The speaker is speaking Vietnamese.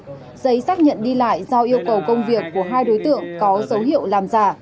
giấy xác nhận đi lại do yêu cầu công việc của hai đối tượng có dấu hiệu làm giả